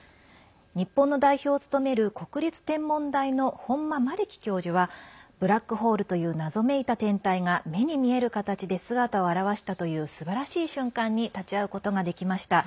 日本の代表を務める国立天文台の本間希樹教授はブラックホールという謎めいた天体が目に見える形で姿を現したというすばらしい瞬間に立ち会うことができました。